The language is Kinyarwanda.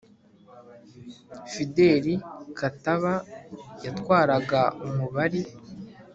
fideli kataba yatwaraga umubari